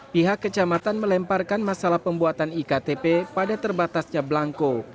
pihak kecamatan melemparkan masalah pembuatan iktp pada terbatasnya belangko